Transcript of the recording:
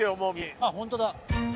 あっホントだ。